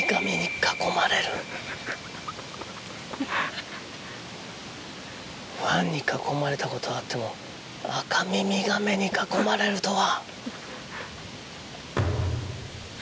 ファンに囲まれたことあってもアカミミガメに囲まれるとは。